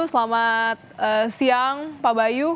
selamat siang pak bayu